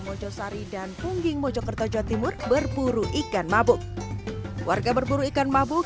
mojosari dan pungging mojokerto jawa timur berburu ikan mabuk warga berburu ikan mabuk